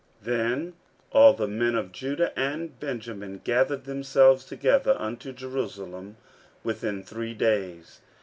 15:010:009 Then all the men of Judah and Benjamin gathered themselves together unto Jerusalem within three days.